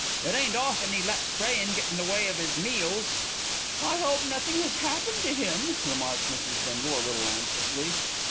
"It ain't often 'e lets praying get in the way of 'is meals." "I hope nothing has happened to him," remarked Mrs. Bindle a little anxiously.